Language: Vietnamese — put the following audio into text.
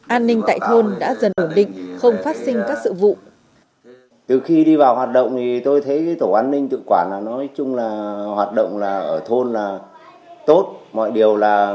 an ninh tại thôn đã dần ổn định không phát sinh các sự vụ